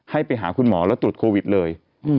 ให้ไปหาคุณหมอแล้วตรวจโควิดเลย